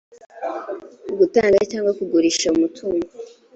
gutanga cyangwa kugurisha umutungo